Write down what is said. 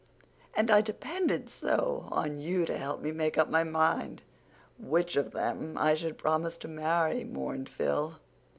"And I depended so on you to help me make up my mind which of them I should promise to marry," mourned Phil.